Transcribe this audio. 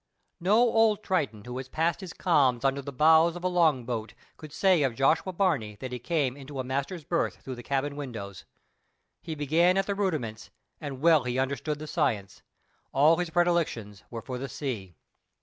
No old Triton who has passed his calms under the bows of the long boat could say of Joshua Barney that he came into a master's berth through the cabin windows. He began at the rudiments, and well he understood the science. All his predilections were for the sea.